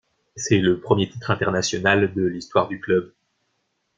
C'est le premier titre international de l'histoire du club.